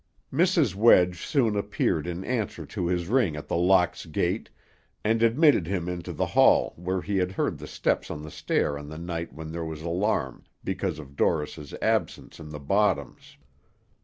Mrs. Wedge soon appeared in answer to his ring at The Locks gate, and admitted him into the hall where he had heard the step on the stair on the night when there was alarm because of Dorris's absence in the bottoms.